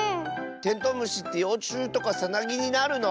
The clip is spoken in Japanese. テントウムシってようちゅうとかさなぎになるの？